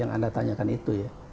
yang anda tanyakan itu ya